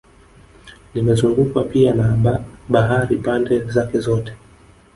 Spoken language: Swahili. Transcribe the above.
Limezungukwa pia na bahari pande zake zote